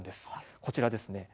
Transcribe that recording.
こちらですね